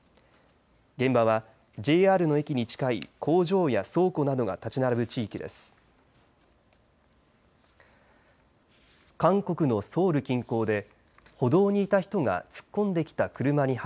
現場はＪＲの駅に近い工場や倉庫などが立ち並ぶ地域です。